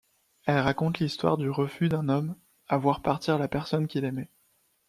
Elle raconte l'histoire du refus d'un homme à voir partir la personne qu'il aimait.